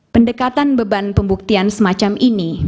pendekatan beban pembuktian semacam ini